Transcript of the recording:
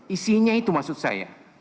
isinya itu maksud saya